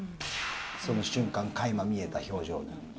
その瞬間、かいま見えた表情に。